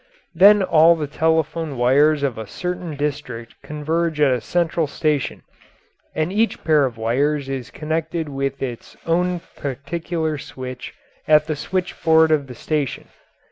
Then all the telephone wires of a certain district converge at a central station, and each pair of wires is connected with its own particular switch at the switchboard of the station.